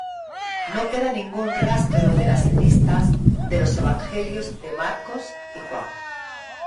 No queda ningún rastro de las listas de los Evangelios de Marcos y Juan.